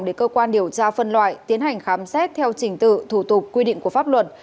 để cơ quan điều tra phân loại tiến hành khám xét theo trình tự thủ tục quy định của pháp luật